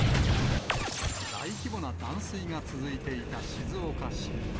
大規模な断水が続いていた静岡市。